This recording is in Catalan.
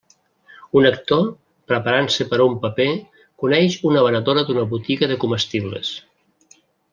Un actor, preparant-se per a un paper, coneix una venedora d’una botiga de comestibles.